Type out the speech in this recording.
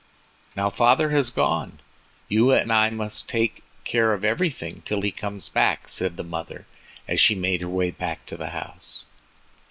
"Now father has gone, you and I must take care of everything till he comes back," said the mother, as she made her way back to the house.